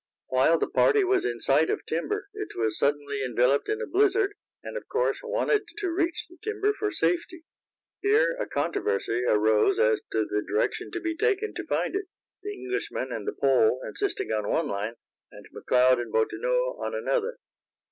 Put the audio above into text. While the party was in sight of timber it was suddenly enveloped in a blizzard, and, of course, wanted to reach the timber for safety. Here a controversy arose as to the direction to be taken to find it, the Englishman and the Pole insisting on one line, and McLeod and Bottineau on another.